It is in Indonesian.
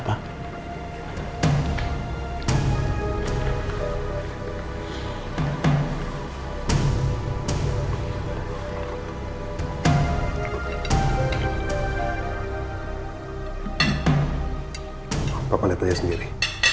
papa lihat aja sendiri